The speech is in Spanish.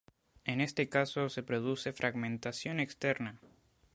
En este caso se produce fragmentación externa.